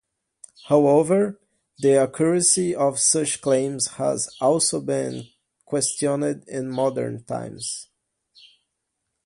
However, the accuracy of such claims has also been questioned in modern times.